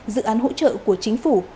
dự án hỗ trợ của chính phủ